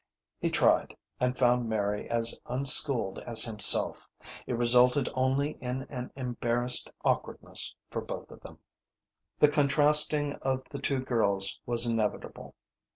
He tried, and found Mary as unschooled as himself. It resulted only in an embarrassed awkwardness for both of them. The contrasting of the two girls was inevitable.